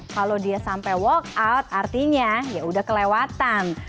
kalau dia sampai walk out artinya ya udah kelewatan